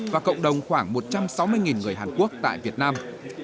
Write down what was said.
và cộng đồng khoảng một trăm sáu mươi người hàn quốc tại việt nam